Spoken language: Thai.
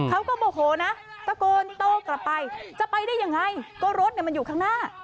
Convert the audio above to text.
เขาก็โมโหนะตะโกนโต้กลับไปจะไปได้ยังไงก็รถมันอยู่ข้างหน้า